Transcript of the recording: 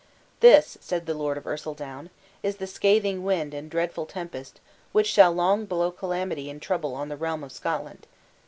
'This,' said the Lord of Ercildown, 'is the scathing wind and dreadful tempest which shall long blow calamity and trouble on the realm of Scotland!'